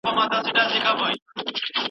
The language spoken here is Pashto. هغه په ګڼګوڼه کې لکه مار تېر شو او ورک شو.